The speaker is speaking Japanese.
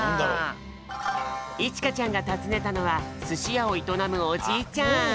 いちかちゃんがたずねたのはすしやをいとなむおじいちゃん。